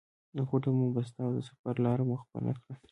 غوټه مو بسته او د سفر لاره مو خپله کړه.